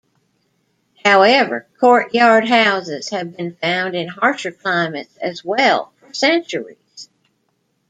However, courtyard houses have been found in harsher climates as well for centuries.